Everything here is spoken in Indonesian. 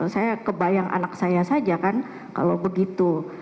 saya kebayang anak saya saja kan kalau begitu